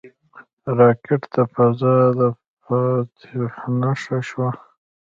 راکټ د فضا د فاتح نښه شوه